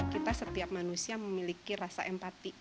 kita setiap manusia memiliki rasa empati